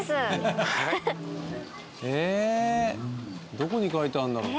どこに書いてあるんだろう？